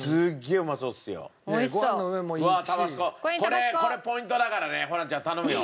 これこれポイントだからねホランちゃん頼むよ。